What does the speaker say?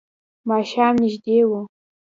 ماښام نژدې و.